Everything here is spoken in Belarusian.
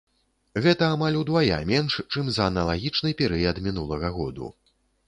Гэта амаль удвая менш, чым за аналагічны перыяд мінулага году.